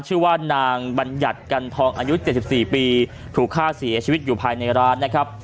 ชื่อว่านางบัญญัติกันทองอายุ๗๔ปีถูกฆ่าเสียชีวิตอยู่ภายในร้านนะครับ